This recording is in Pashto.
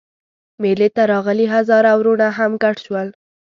مېلې ته راغلي هزاره وروڼه هم ګډ شول.